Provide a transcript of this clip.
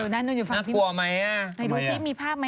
ที่ดูซินี่มีภาพไหม